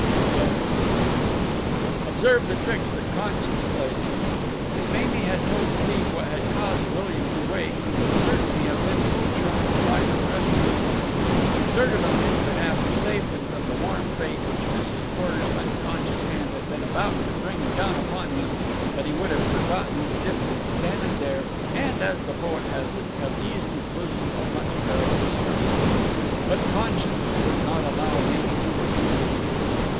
"Yes," said Mamie. Observe the tricks that conscience plays us. If Mamie had told Steve what had caused William to wake he would certainly have been so charmed by her presence of mind, exerted on his behalf to save him from the warm fate which Mrs. Porter's unconscious hand had been about to bring down upon him, that he would have forgotten his diffidence then and there and, as the poet has it, have eased his bosom of much perilous stuff. But conscience would not allow Mamie to reveal the secret.